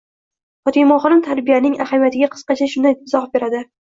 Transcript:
Fotimaxonim tarbiyaning ahamiyatiga qisqacha shunday izoh beradi.